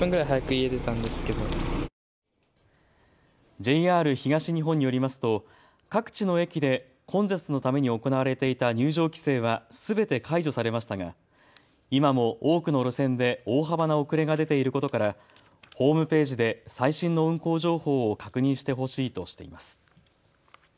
ＪＲ東日本によりますと各地の駅で混雑のために行われていた入場規制はすべて解除されましたが今も多くの路線で大幅な遅れが出ていることからホームページで最新の運行情報を確認してほしいとしています。